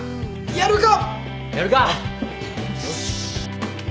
やるか。